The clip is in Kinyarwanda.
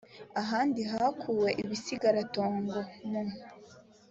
ahandi hakuwe ibisigaratongo mu